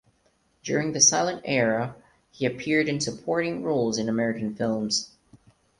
During the silent era he appeared in supporting roles in American films.